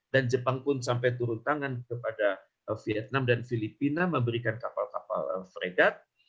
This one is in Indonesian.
dan jepang pun sampai turun tangan kepada vietnam dan filipina memberikan kapal kapal fregat